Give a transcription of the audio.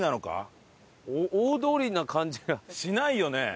しないよね。